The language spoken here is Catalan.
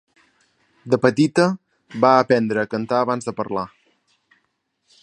De petita, va aprendre a cantar abans de parlar.